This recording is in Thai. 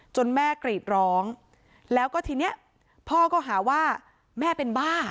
แม่กรีดร้องแล้วก็ทีนี้พ่อก็หาว่าแม่เป็นบ้า